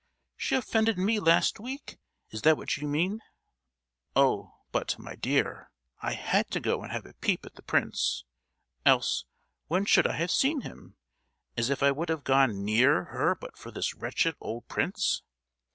—she offended me last week? is that what you you mean? Oh, but, my dear, I had to go and have a peep at the prince—else, when should I have seen him? As if I would have gone near her but for this wretched old prince.